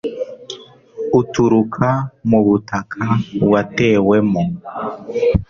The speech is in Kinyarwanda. uturuka mu butaka watewemo